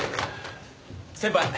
先輩。